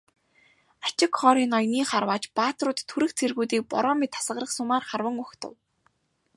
Ачигхори ноёны харваач баатрууд түрэг цэргүүдийг бороо мэт асгарах сумаар харван угтав.